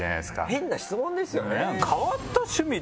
変な質問ですよね。